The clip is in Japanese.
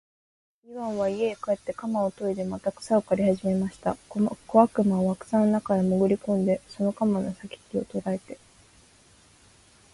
イワンは家へ帰って鎌をといでまた草を刈りはじめました。小悪魔は草の中へもぐり込んで、その鎌の先きを捉えて、